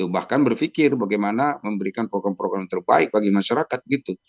bahkan berpikir bagaimana memberikan program program yang terbaik bagi masyarakat gitu